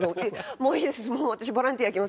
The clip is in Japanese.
もういいですもう。